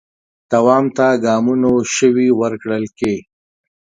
دوام ته ګامونو شوي ورکړل کې